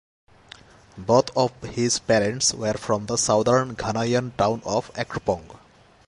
Both of his parents were from the southern Ghanaian town of Akropong.